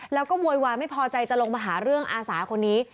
แล้วก็โวยวายไม่พอใจจะลงมาหาเรื่องอาสาคนนี้